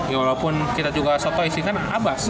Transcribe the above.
ya walaupun kita juga sotoh isi kan abas